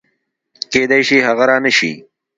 کېدای شي هغه رانشي